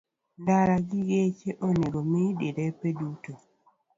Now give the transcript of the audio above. Ndara gi geche onego mi derepe duto.